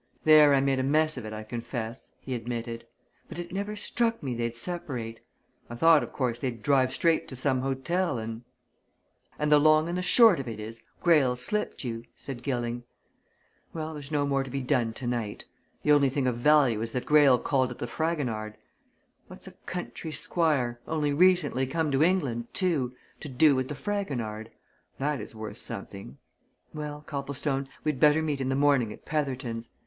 "There I made a mess of it, I confess," he admitted. "But it never struck me they'd separate. I thought, of course, they'd drive straight to some hotel, and " "And the long and the short of it is, Greyle's slipped you," said Gilling. "Well there's no more to be done tonight. The only thing of value is that Greyle called at the Fragonard. What's a country squire only recently come to England, too! to do with the Fragonard? That is worth something. Well Copplestone, we'd better meet in the morning at Petherton's.